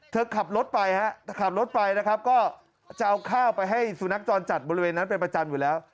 ขับรถไปฮะขับรถไปนะครับก็จะเอาข้าวไปให้สุนัขจรจัดบริเวณนั้นเป็นประจำอยู่แล้ว